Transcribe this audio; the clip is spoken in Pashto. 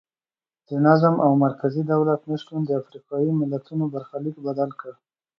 د نظم او مرکزي دولت نشتون د افریقایي ملتونو برخلیک بدل کړ.